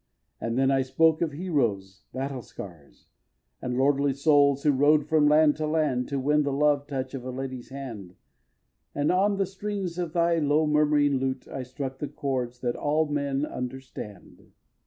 And then I spoke of heroes' battle scars And lordly souls who rode from land to land To win the love touch of a lady's hand; And on the strings of thy low murmuring lute I struck the chords that all men understand.